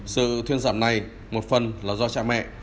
sự thuyên giảm này một phần là do cha mẹ